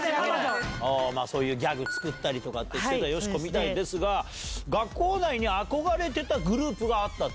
そういうギャグ作ったりとかしてたよしこみたいですが、学校内に憧れてたグループがあったと。